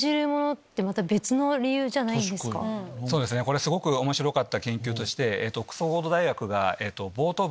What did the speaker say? これすごく面白かった研究として。